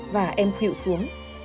và em khịu xuống